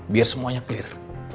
biar semuanya clear